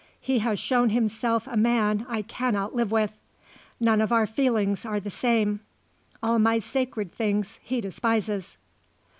"He has shown himself a man I cannot live with. None of our feelings are the same. All my sacred things he despises."